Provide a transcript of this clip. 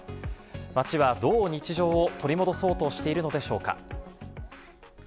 町はどう日常を取り戻そうとしているのでしょうか。